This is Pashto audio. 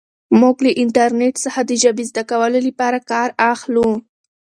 موږ له انټرنیټ څخه د ژبې زده کولو لپاره کار اخلو.